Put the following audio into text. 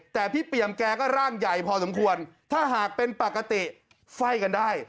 แต่พี่เปี่ยมแกก็ร่างใหญ่พอสมควรถ้าหากเป็นปกติไฟ่กันได้